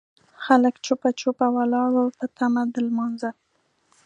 خلک جوپه جوپه ولاړ وو په تمه د لمانځه.